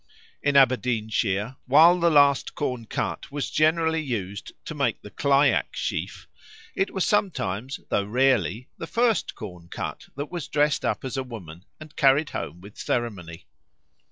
In Aberdeenshire, while the last corn cut was generally used to make the clyack sheaf, it was sometimes, though rarely, the first corn cut that was dressed up as a woman and carried home with ceremony.